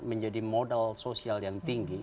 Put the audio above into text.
menjadi modal sosial yang tinggi